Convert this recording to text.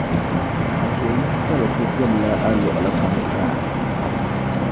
A ʒiɛyimtali kul gilila a luɣili kam zaa.